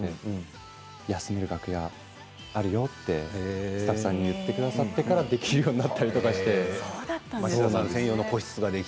休める楽屋ないのってスタッフさんに言ってくださってからできるようになったりとかして。